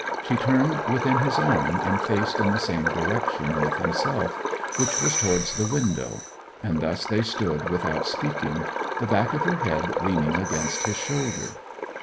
She turned within his arm, and faced in the same direction with himself, which was towards the window; and thus they stood without speaking, the back of her head leaning against his shoulder.